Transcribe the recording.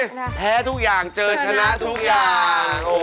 แพ้ทุกอย่างเจอชนะทุกอย่าง